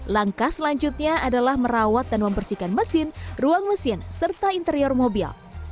langkah selanjutnya adalah merawat dan membersihkan mesin ruang mesin serta interior mobil